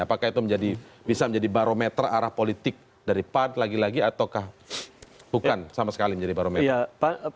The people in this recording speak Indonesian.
apakah itu bisa menjadi barometer arah politik dari pan lagi lagi ataukah bukan sama sekali menjadi barometer